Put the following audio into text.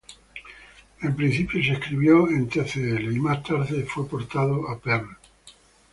En principio se escribió en Tcl, y más tarde fue portado a Perl.